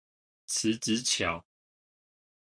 辭職橋